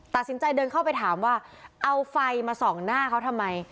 ตัดสินใจเดินเข้าไปถามว่าเอาไฟมาส่องหน้าเขาทำไม